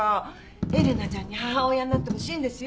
英玲奈ちゃんに母親になってほしいんですよ！